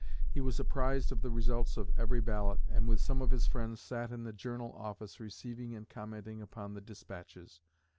He was apprised of the results of every ballot, and with some of his friends sat in the 'Journal' office receiving and commenting upon the dispatches.